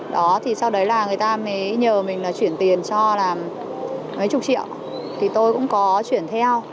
đó thì sau đấy là người ta mới nhờ mình là chuyển tiền cho là mấy chục triệu thì tôi cũng có chuyển theo